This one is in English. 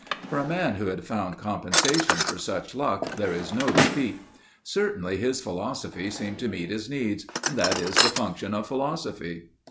For a man who had found compensation for such luck, there is no defeat. Certainly his philosophy seemed to meet his needs and that is the function of philosophy.